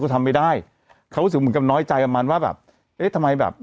ทำไม่ได้เขารู้สึกเหมือนกับน้อยใจกับมันว่าแบบเอ๊ะทำไมแบบ